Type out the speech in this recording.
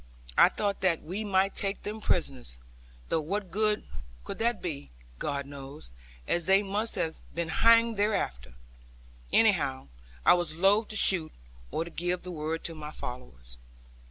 I thought that we might take them prisoners though what good that could be God knows, as they must have been hanged thereafter anyhow I was loath to shoot, or to give the word to my followers.